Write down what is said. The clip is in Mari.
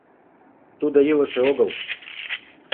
— Тудо илыше огыл.